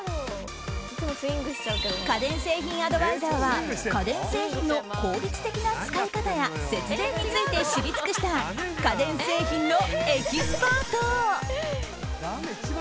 家電製品アドバイザーは家電製品の効率的な使い方や節電について知り尽くした家電製品のエキスパート。